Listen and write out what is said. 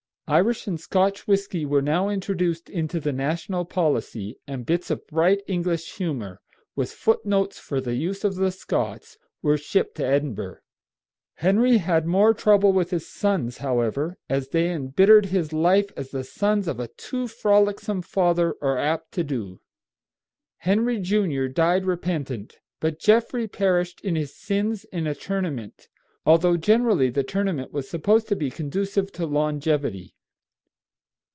Irish and Scotch whiskey were now introduced into the national policy, and bits of bright English humor, with foot notes for the use of the Scots, were shipped to Edinburgh. Henry had more trouble with his sons, however, and they embittered his life as the sons of a too frolicsome father are apt to do. Henry Jr. died repentant; but Geoffrey perished in his sins in a tournament, although generally the tournament was supposed to be conducive to longevity.